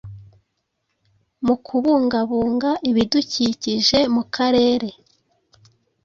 mu kubungabunga ibidukikije mukarere?